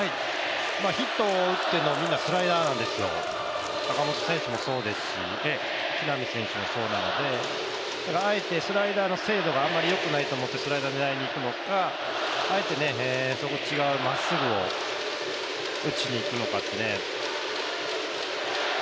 ヒットを打ってのスライダーなんですよ、坂本選手もそうですし、木浪選手もそうなので、あえてスライダーの精度があまりよくないと思って、スライダー狙いにいくのかあえて違うまっすぐを打ちにいくのかってね。